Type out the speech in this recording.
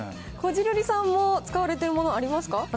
こじるりさんも使われてるものありますか？